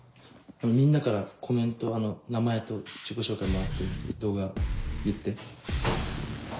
みんなからコメントあの名前と自己紹介もらってる動画言って。